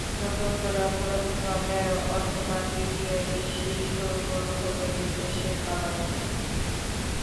নতুন করে অপরাধ ঘটায়, অথবা মিডিয়ায় বেশি শোরগোল হলে বিদেশে পালায়।